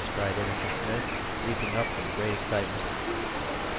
cried Innocent Smith, leaping up in great excitement.